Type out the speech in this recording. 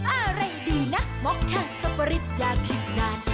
อะไรดีนะม็อกแค่สปริศอย่างผิดนาน